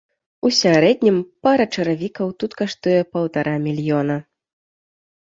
У сярэднім пара чаравікаў тут каштуе паўтара мільёна.